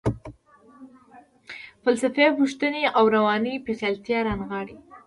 فلسفي پوښتنې او رواني پیچلتیاوې رانغاړي.